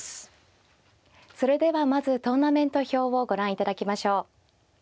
それではまずトーナメント表をご覧いただきましょう。